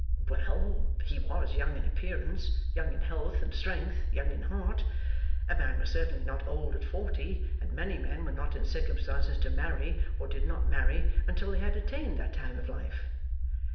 Well! He was young in appearance, young in health and strength, young in heart. A man was certainly not old at forty; and many men were not in circumstances to marry, or did not marry, until they had attained that time of life.